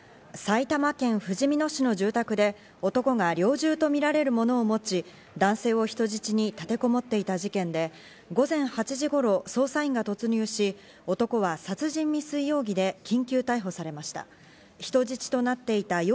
埼玉県ふじみ野市の住宅で男が猟銃とみられるものを持ち男性を人質に立てこもっていた事件で、午前８時頃、捜査員が突入し、男は殺人未遂容疑で緊急逮捕されました。